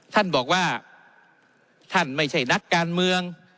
ท่านบอกว่าท่านไม่ใช่นักการเมือง